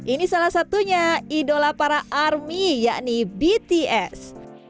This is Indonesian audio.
ini salah satunya idola para army yakni bts